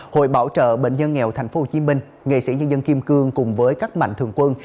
hội bảo trợ bệnh nhân nghèo tp hcm nghệ sĩ nhân dân kim cương cùng với các mạnh thường quân